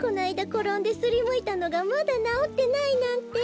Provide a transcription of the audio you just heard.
ころんですりむいたのがまだなおってないなんて。